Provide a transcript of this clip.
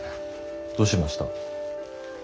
どうしました？